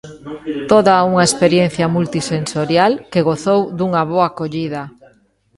Toda unha experiencia multisensorial que gozou dunha boa acollida.